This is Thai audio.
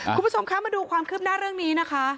คุณผู้ชมคะมาดูความคืบหน้าเรื่องนี้นะคะ